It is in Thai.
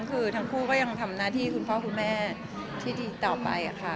คือทั้งคู่ก็ยังทำหน้าที่คุณพ่อคุณแม่ที่ดีต่อไปค่ะ